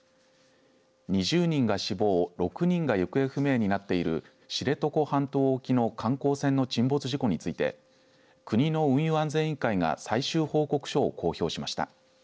２０人が死亡６人が行方不明になっている知床半島沖の観光船の沈没事故について国の運輸安全委員会が最終報告書を公表しました。